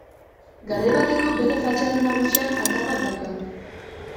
Garai bateko bere fatxada nagusian, atal bat dauka.